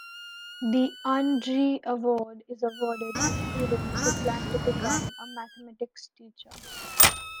The Andree award is awarded to students who plan to become a mathematics teacher.